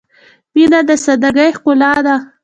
• مینه د سادګۍ ښکلا ده.